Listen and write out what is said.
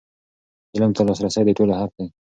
علم ته لاسرسی د ټولو حق دی.